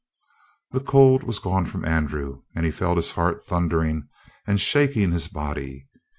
The cold was gone from Andrew, and he felt his heart thundering and shaking his body.